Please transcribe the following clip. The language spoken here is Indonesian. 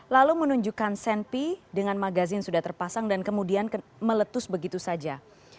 lalu menunjukkan senpi dengan magazin sudah terpasang dan kemudian meletus begitu saja